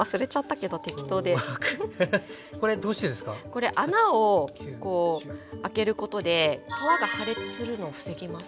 これ穴を開けることで皮が破裂するのを防ぎます。